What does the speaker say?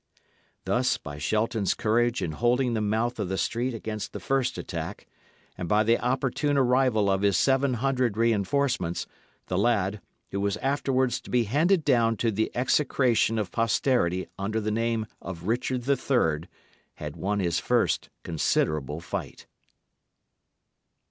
Thus, by Shelton's courage in holding the mouth of the street against the first attack, and by the opportune arrival of his seven hundred reinforcements, the lad, who was afterwards to be handed down to the execration of posterity under the name of Richard III., had won his first considerable fight.